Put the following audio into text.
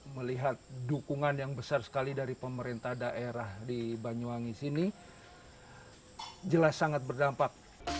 melihat dukungan yang besar sekali dari pemerintah daerah di banyuwangi sini jelas sangat berdampak